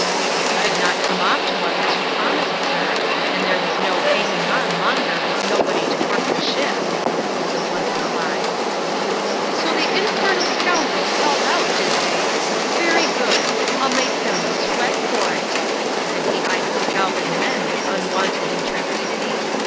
" You did not come off to us, as you promised, sir ; and then was no hanging on longer with nobody to work the ship," wat the blunt reply. " So the infernal scoundrels held out — did they? Very good; rU make them sweat for it," and he eyed the scowling men witl unwonted intrepidity.